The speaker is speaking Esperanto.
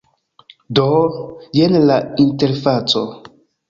Do, jen la interfaco